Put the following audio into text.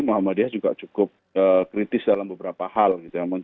muhammadiyah juga cukup kritis dalam beberapa hal gitu ya